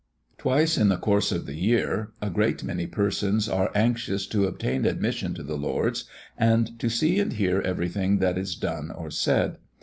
Twice in the course of the year, a great many persons are anxious to obtain admission to the Lords, and to see and hear everything that is done or said.